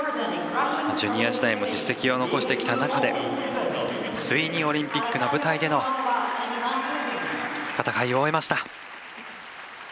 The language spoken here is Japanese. ジュニア時代も実績を残してきた中でついにオリンピックの舞台での戦いを終えました。